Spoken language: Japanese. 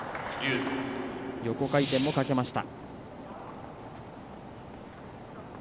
横回転もかけました。